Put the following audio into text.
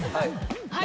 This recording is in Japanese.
はい。